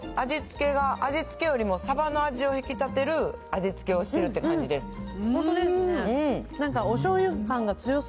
味付けよりもサバの味を引き立てる味付けをしてるって感じです。